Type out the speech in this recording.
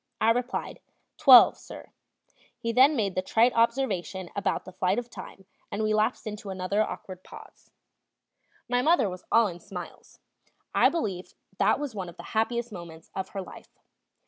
I replied: "Twelve, sir." He then made the trite observation about the flight of time, and we lapsed into another awkward pause. My mother was all in smiles; I believe that was one of the happiest moments of her life.